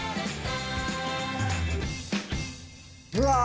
うわ！